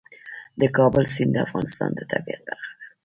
د کابل سیند د افغانستان د طبیعت برخه ده.